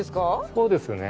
そうですね。